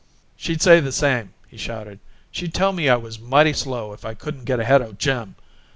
"She'd say the same," he shouted. "She'd tell me I was mighty slow if I couldn't get ahead o' Jim.